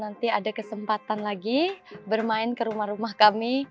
nanti ada kesempatan lagi bermain ke rumah rumah kami